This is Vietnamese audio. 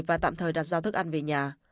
và tạm thời đặt giao thức ăn về nhà